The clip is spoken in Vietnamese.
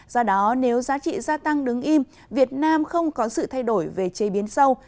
do đó nếu giá trị gia tăng đứng im việt nam không có sự thay đổi về chế biến sâu